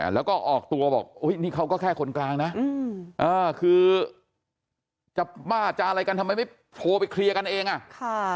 และก็ออกตัวว่าเฮ้ยนี่เขาก็แค่คนกลางนะเอ้าคือจับบ้าจาอะไรกันทำไมไม่โทรไปคลีย์กันเองอ่ะ